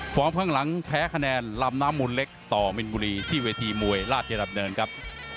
ข้างหลังแพ้คะแนนลำน้ำมูลเล็กต่อมินบุรีที่เวทีมวยราชดำเนินครับ